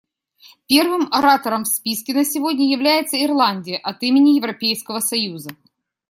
Первым оратором в списке на сегодня является Ирландия от имени Европейского союза.